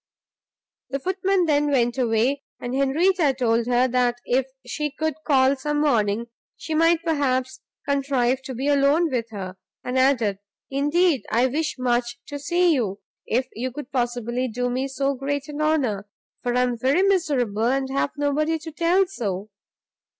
The footman then went away; and Henrietta told her, that if she could call some morning she might perhaps contrive to be alone with her, and added, "indeed I wish much to see you, if you could possibly do me so great an honour; for I am very miserable, and have nobody to tell so!